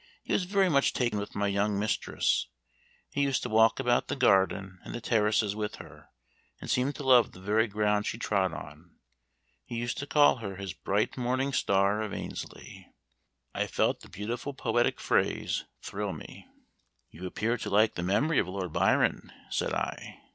He was very much taken with my young mistress; he used to walk about the garden and the terraces with her, and seemed to love the very ground she trod on. He used to call her his bright morning star of Annesley." I felt the beautiful poetic phrase thrill through me. "You appear to like the memory of Lord Byron," said I.